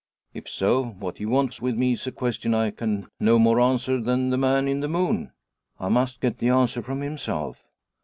If so, what he wants with me is a question I can no more answer than the man in the moon. I must get the answer from himself.